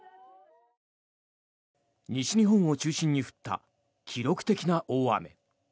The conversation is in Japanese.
西日本を中心に降った記録的な大雨。